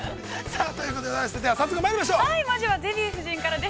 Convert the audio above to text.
◆さあ、ということで早速まいりましょう。